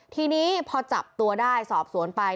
ทีนี้พอจับตัวได้สอบสวนไป